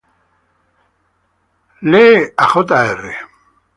Lee, Jr.